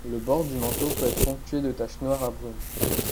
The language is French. Le bord du manteau peut être ponctué de taches noires à brunes.